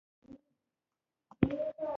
د لښتيو او پلیو لارو